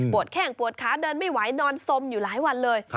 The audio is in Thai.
แข้งปวดขาเดินไม่ไหวนอนสมอยู่หลายวันเลย